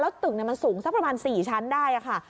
ตึกมันสูงสักประมาณ๔ชั้นได้ค่ะ